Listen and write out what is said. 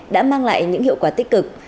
đã mang lại những hiệu quả tích cực